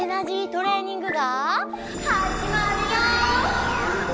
トレーニングがはじまるよ！